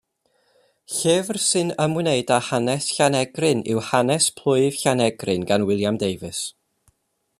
Llyfr syn ymwneud â hanes Llanegryn yw Hanes Plwyf Llanegryn gan William Davies.